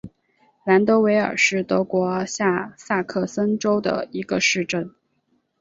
兰德韦尔是德国下萨克森州的一个市镇。